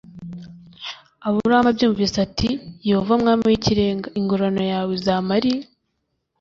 Aburamu abyumvise aravuga ati Yehova Mwami w Ikirenga ingororano yawe izamari